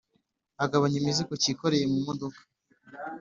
agabanya imizigo Cyikoreye mumodoka